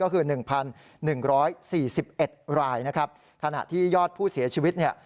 ก็คือหนึ่งพันหนึ่งร้อยสี่สิบเอ็ดรายนะครับขณะที่ยอดผู้เสียชีวิตเนี่ย